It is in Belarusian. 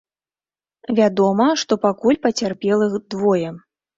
Вядома, што пакуль пацярпелых двое.